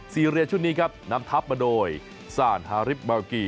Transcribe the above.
ซีเรียชุดนี้ครับนำทับมาโดยซานฮาริปมารกี